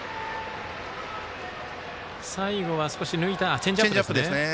最後は少し抜いたチェンジアップですね。